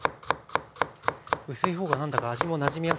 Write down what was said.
薄い方が何だか味もなじみやすそうですね。